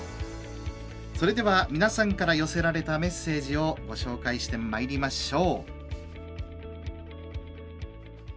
皆さんから寄せられたメッセージをご紹介してまいりましょう。